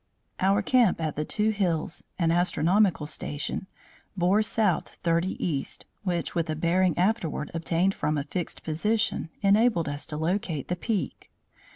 "Our camp at the Two Hills (an astronomical station) bore south 30 east, which, with a bearing afterward obtained from a fixed position, enabled us to locate the peak.